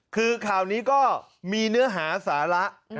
คือข่าวนี้ก็มีเนื้อหาสาระ